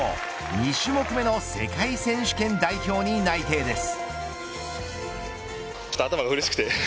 ２種目目の世界選手権代表に内定です。